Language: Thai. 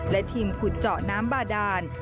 และทีมขุดเจาะน้ำบาดาน